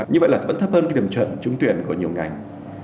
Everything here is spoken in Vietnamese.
như vậy là vẫn thấp hơn cái điểm chuẩn trúng tuyển của nhiều ngành